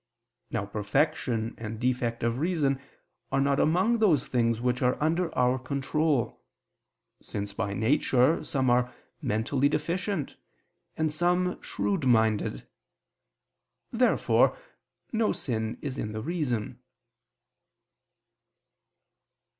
Now perfection and defect of reason are not among those things which are under our control: since by nature some are mentally deficient, and some shrewd minded. Therefore no sin is in the reason.